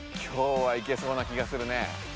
今日はいけそうな気がするね。